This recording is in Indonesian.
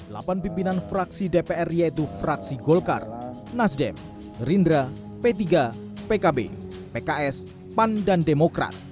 yang hari ini delapan pimpinan fraksi dpr yaitu fraksi golkar nasdem rindra p tiga pkb pks pan dan demokrat